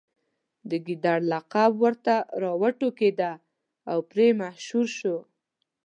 د ګیدړ لقب ورته راوټوکېد او پرې مشهور شو.